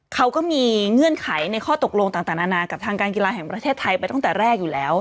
เขาก็มีเงื่อนไขในข้อตกลงต่างนานากับทางการกีฬาแห่งประเทศไทยไปตั้งแต่แรกอยู่แล้ว